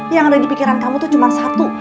yang ada di pikiran kamu tuh cuma satu